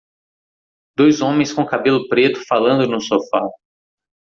Dois homens com cabelo preto falando no sofá.